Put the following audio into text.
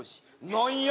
何や？